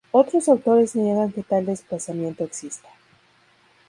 Otros autores niegan que tal desplazamiento exista.